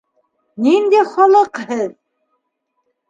Ниндәй халыҡ һеҙ!